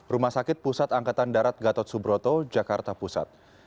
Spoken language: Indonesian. rumah sakit pusat angkatan darat gatot subroto jakarta pusat